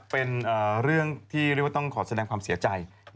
เป็นเรื่องที่เรียกว่าต้องขอแสดงความเสียใจ